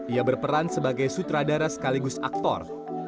ia berperan sebagai sutradara sekaligus aktor